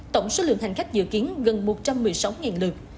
tổng số lượng hành khách dự kiến gần một trăm một mươi sáu lượt